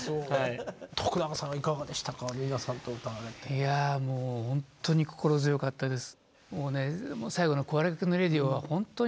いやもうほんとに心強かったです。